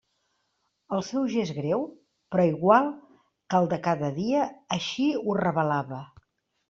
El seu gest greu, però igual que el de cada dia, així ho revelava.